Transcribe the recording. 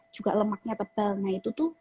juga lemaknya tebal nah itu tuh